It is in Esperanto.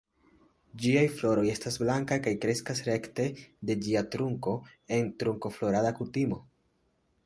Ĝiaj floroj estas blankaj kaj kreskas rekte de ĝia trunko en trunkoflorada kutimo.